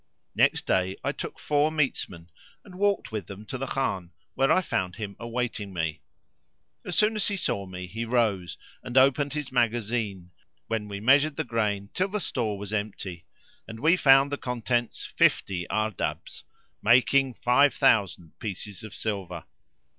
Next day I took four metesmen and walked with them to the Khan, where I found him awaiting me. As soon as he saw me he rose and opened his magazine, when we measured the grain till the store was empty; and we found the contents fifty Ardabbs, making five thousand pieces of silver.